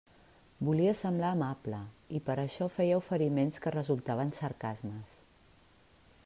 Volia semblar amable, i per això feia oferiments que resultaven sarcasmes.